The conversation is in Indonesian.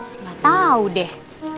hmm nggak tahu deh